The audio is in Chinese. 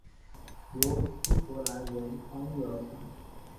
由希伯来文翻译而成。